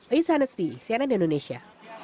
wissana sti cnn indonesia